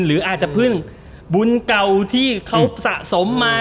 หรืออาจจะพึ่งบุญเก่าที่เขาสะสมมา